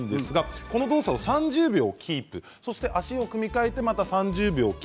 この動作を３０秒キープ足を組み替えてまた３０秒。